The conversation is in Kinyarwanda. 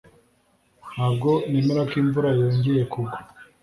Ntabwo nemera ko imvura yongeye kugwa.